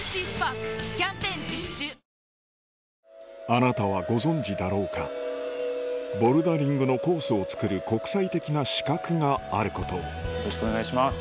あなたはご存じだろうかボルダリングのコースを作る国際的な資格があることをよろしくお願いします